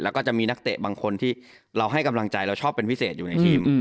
แล้วก็จะมีนักเตะบางคนที่เราให้กำลังใจเราชอบเป็นพิเศษอยู่ในทีม